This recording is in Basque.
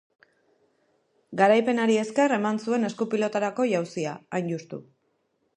Garaipen hari esker eman zuen esku pilotarako jauzia, hain justu.